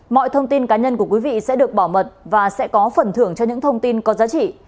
mọi thông tin cá nhân của quý vị sẽ được bảo mật và sẽ có phần thưởng cho những thông tin có giá trị